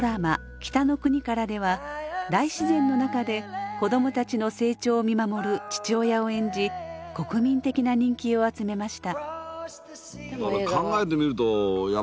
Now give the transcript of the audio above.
「北の国から」では大自然の中で子供たちの成長を見守る父親を演じ国民的な人気を集めました。